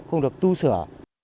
không được tu sửa